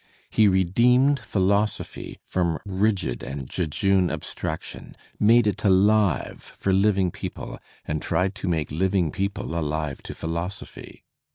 He redeemed philosophy from rigid and jejune abstraction, Oyinade it alive for living people, and tried to make living / people alive to philosophy.